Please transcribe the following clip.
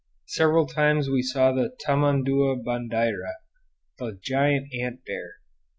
Several times we saw the tamandua bandeira, the giant ant bear.